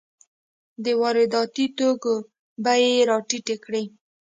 د وارداتي توکو بیې یې راټیټې کړې.